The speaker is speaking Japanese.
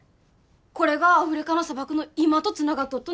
これがアフリカの砂漠の今とつながっとっとね？